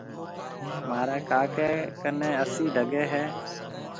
مهاريَ ڪاڪيَ ڪنَي اَسِي ڊڳي هيَ۔